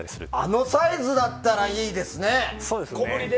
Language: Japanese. あのサイズだったらいいですね。